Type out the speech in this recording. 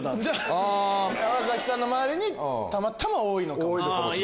山崎さんの周りにたまたま多いのかもしれない。